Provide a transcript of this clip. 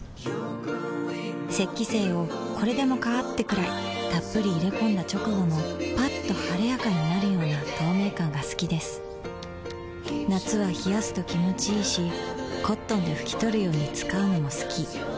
雪肌精をこれでもかーってくらいっぷり入れ込んだ直後のッと晴れやかになるような透明感が好きです夏は冷やすと気持ちいいし灰奪肇で拭き取るように使うのも好き